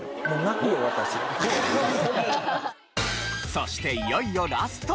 そしていよいよラスト。